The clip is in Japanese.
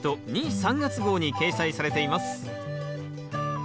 ・３月号に掲載されています